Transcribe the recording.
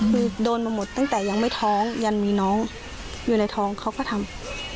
คือโดนมาหมดตั้งแต่ยังไม่ท้องยันมีน้องอยู่ในท้องเขาก็ทำ